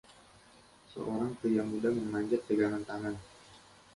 Seorang pria muda memanjat pegangan tangan.